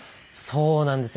そうなんですよ。